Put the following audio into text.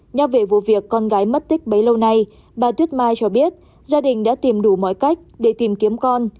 nhắc về vụ việc con gái mất tích bấy lâu nay bà tuyết mai cho biết gia đình đã tìm đủ mọi cách để tìm kiếm con